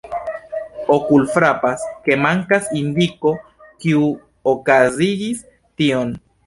Okulfrapas, ke mankas indiko, kiu okazigis tion.